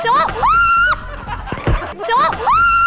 จู๊ก